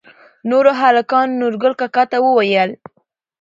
نوور هلکانو نورګل کاکا ته وويل